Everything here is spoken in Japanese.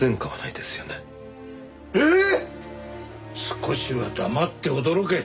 少しは黙って驚け。